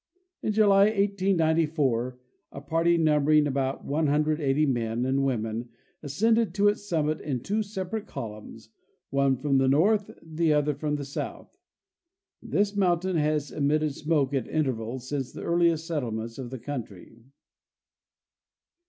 In July, 1894, a party numbering about 180 men and women ascended to its summit in two separate columns, one from the north, the other from the south. This mountain has emitted smoke at intervals since the earliest settlement of the country.